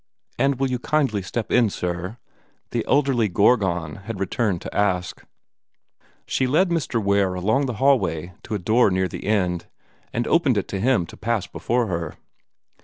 "And will you kindly step in, sir?" the elderly Gorgon had returned to ask. She led Mr. Ware along the hall way to a door near the end, and opened it for him to pass before her.